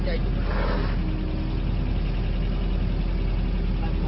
ที่คุณอ่ะ